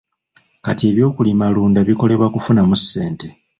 Kati eby'okulimalunda bikolebwa kufunamu ssente.